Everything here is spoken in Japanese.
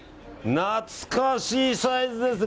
懐かしいサイズですね。